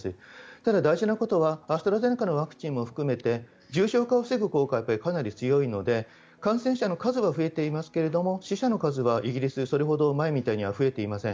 ただ、大事なことはアストラゼネカのワクチンも含めて重症化を防ぐ効果がかなり強いので感染者の数は増えていますが死者の数はイギリスはそれほど前みたいには増えていません。